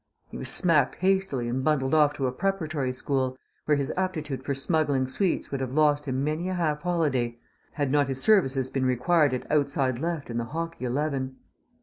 He was smacked hastily and bundled off to a preparatory school, where his aptitude for smuggling sweets would have lost him many a half holiday had not his services been required at outside left in the hockey eleven.